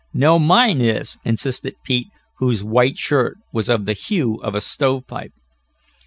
"No, mine is," insisted Pete, whose white shirt was of the hue of a stove pipe.